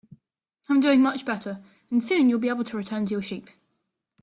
I'm doing much better, and soon you'll be able to return to your sheep.